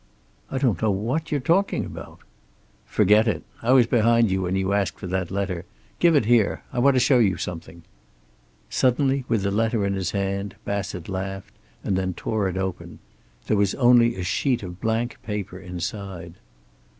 "I don't know what you're talking about." "Forget it. I was behind you when you asked for that letter. Give it here. I want to show you something." Suddenly, with the letter in his hand, Bassett laughed and then tore it open. There was only a sheet of blank paper inside.